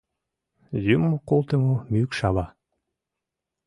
Юмо колтымо мӱкшава.